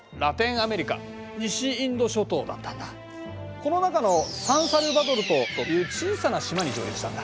この中のサンサルヴァドル島という小さな島に上陸したんだ。